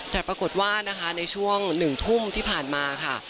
แต่ปรากฏว่านะคะในช่วง๑ทุ่มที่ผ่านมาค่ะ